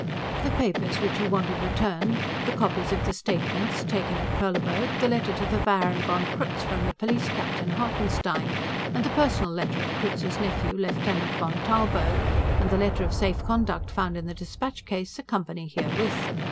The papers which you wanted returned the copies of the statements taken at Perleburg, the letter to the Baron von Krutz from the police captain, Hartenstein, and the personal letter of Krutz's nephew, Lieutenant von Tarlburg, and the letter of safe conduct found in the dispatch case accompany herewith.